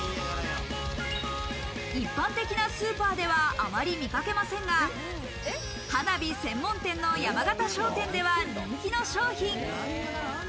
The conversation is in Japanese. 一般的なスーパーでは、あまり見かけませんが、花火専門店の山縣商店では人気の商品。